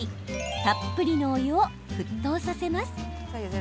たっぷりのお湯を沸騰させます。